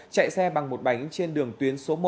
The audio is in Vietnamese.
chạy xe bằng một bánh trên đường tuyến số một